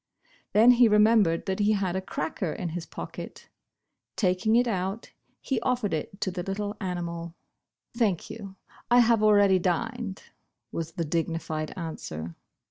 Then he remem bered that he had a cracker in his pocket. Taking it out he offered it to the little animal. "Thank you, I have already dined," was the dignified answer.